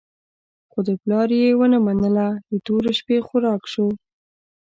خو د پلار یې ونه منله، د تورې شپې خوراک شو.